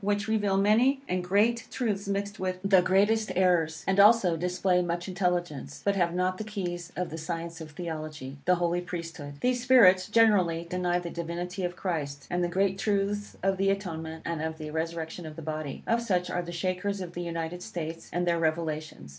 which reveal many and great truths mixed with the greatest errors, and also display much intelligence, but have not the keys of the science of Theology the Holy Priesthood. These spirits, generally, deny the divinity of Christ, and the great truths of the atonement, and of the resurrection of the body. Of such are the Shakers of the United States, and their revelations.